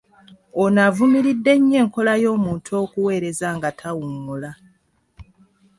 Ono avumiridde nnyo enkola y'omuntu okuweereza nga tawummula.